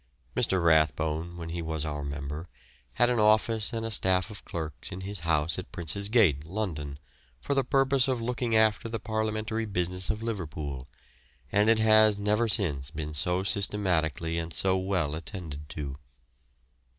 Mr. Rathbone, when he was our member, had an office and a staff of clerks in his house at Prince's Gate, London, for the purpose of looking after the parliamentary business of Liverpool, and it has never since been so systematically and so well attended to.